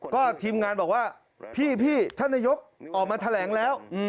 ก็ทีมงานบอกว่าพี่ท่านนายกออกมาแถลงแล้ว